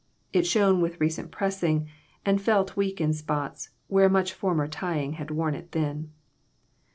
It shone with recent pressing, and felt weak in spots where much former tying had worn it thin.